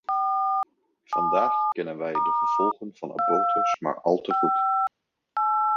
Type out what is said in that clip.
Vandaag kennen wij de gevolgen van abortus maar al te goed.